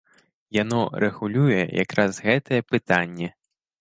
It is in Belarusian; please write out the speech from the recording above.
Яно рэгулюе як раз гэтыя пытанні.